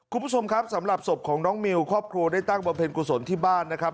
คุณผู้ชมครับสำหรับศพของน้องมิวครอบครัวได้ตั้งบำเพ็ญกุศลที่บ้านนะครับ